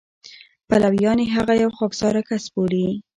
پلویان یې هغه یو خاکساره کس بولي.